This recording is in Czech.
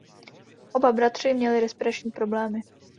Oba bratři měli respirační problémy..